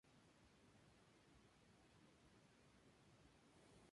Las pesquisas de Quirós lo llevan a descifrar gradualmente la identidad del asesino.